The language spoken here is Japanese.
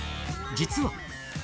実は。